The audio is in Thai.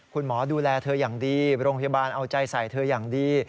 คุณหมอดูแลเธออย่างดีโรงพยาบาลเอาใจใส่เธออย่างดี